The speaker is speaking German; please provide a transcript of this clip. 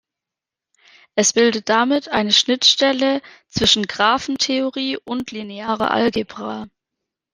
Es bildet damit eine Schnittstelle zwischen Graphentheorie und linearer Algebra.